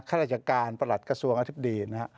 ข้าราชการประหลัดกระทรวงอธิบดีนะฮะ